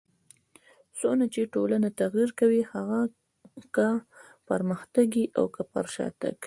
څونه چي ټولنه تغير کوي؛ هغه که پرمختګ يي او که پر شاتګ.